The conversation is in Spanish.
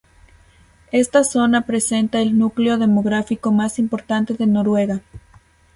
Esta zona presenta el núcleo demográfico más importante de Noruega.